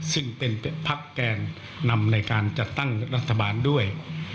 ซึ่งเป็นพักแกนนำในการจัดตั้งรัฐบาลด้วย